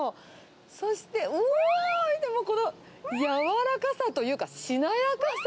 そして、うわー、見て、このやわらかさというか、しなやかさ。